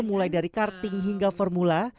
mulai dari karting hingga formula